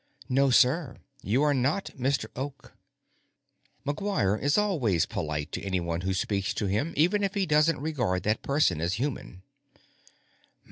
"No, sir. You are not Mr. Oak." McGuire is always polite to anyone who speaks to him, even if he doesn't regard that person as human.